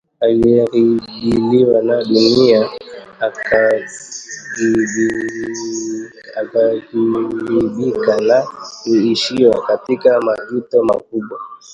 aliyeghilibiwa na dunia akaghilibika na kuishia katika majuto makubwa